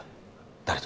誰と？